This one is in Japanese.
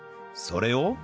それを